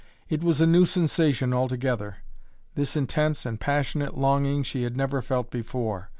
It was a new sensation altogether. This intense and passionate longing she had never felt before.